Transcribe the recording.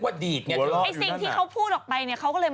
คือเห็นเป็นสีแดงนิดแหละ